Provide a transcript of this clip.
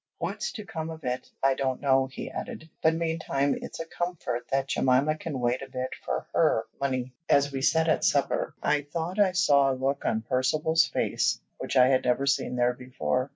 What's to come of it, I don't know," he added. "But meantime it's a comfort that Jemima can wait a bit for her money." As we sat at supper, I thought I saw a look on Percivale's face which I had never seen there before.